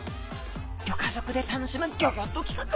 ギョ家族で楽しむギョギョッと企画！